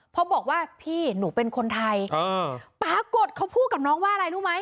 เพราะบอกว่าพี่หนูเป็นคนไทยปรากฏเขาพูดกับน้องว่าอะไรรู้ไหม